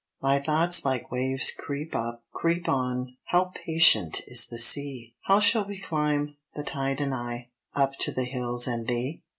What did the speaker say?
My thoughts like waves creep up, creep on, How patient is the sea! How shall we climb the tide and I Up to the hills and thee?